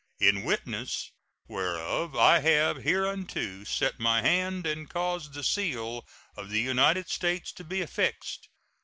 In witness whereof I have hereunto set my hand and caused the seal of the United States to be affixed.